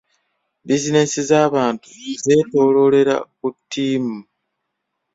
Bizinensi z'abantu zeetooloolera ku ttiimu.